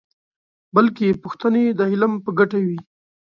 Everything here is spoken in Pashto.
بلکې پوښتنې د علم په ګټه وي.